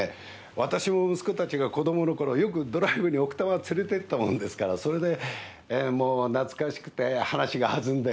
私も息子たちが子供の頃よくドライブに奥多摩連れてったもんですからそれでもう懐かしくて話が弾んで。